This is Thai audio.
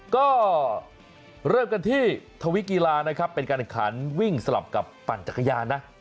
ก็เริ่มกันที่ทวิกีฬานะครับเป็นการแข่งขันวิ่งสลับกับปั่นจักรยานนะ